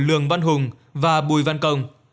lường văn hùng và bùi văn công